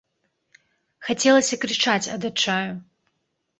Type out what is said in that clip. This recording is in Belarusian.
Хацелася крычаць ад адчаю.